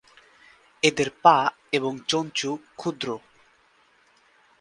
এদের পা এবং চঞ্চু ক্ষুদ্র।